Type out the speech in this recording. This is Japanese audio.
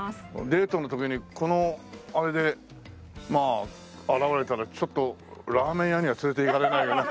デートの時にこのあれで現れたらちょっとラーメン屋には連れて行かれないかな。